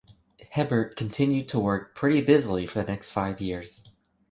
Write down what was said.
Hebert continued to work pretty busily for the next five years.